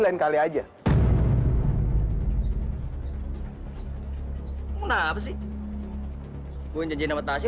lepasin pak randy